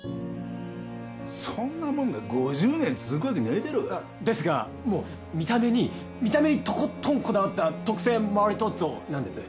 そんなもんが５０年続くわけないだろう！ですがもう見た目に見た目にとことんこだわった特製マリトッツォなんです。